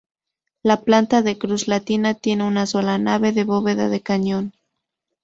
La planta, de cruz latina, tiene una sola nave con bóveda de cañón.